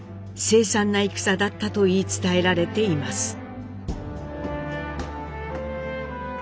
凄惨な戦だったと言い伝えられています。